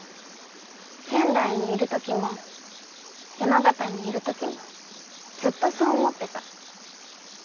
仙台にいるときも山形にいるときもずっとそう思ってた。